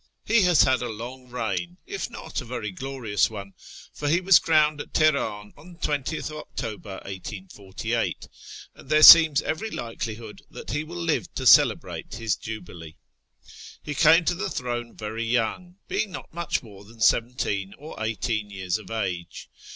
He has had a long reign, if not a very glorious one, for he was crowned at Teheran on 20th October 1848, and there seems every likelihood that he will live to celebrate his jubilee. He came to the throne very young, being not much more than seventeen or eighteen years of age.